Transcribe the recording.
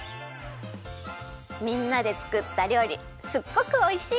みんなでつくったりょうりすっごくおいしい。